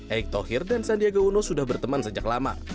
erick thohir dan sandiaga uno sudah berteman sejak lama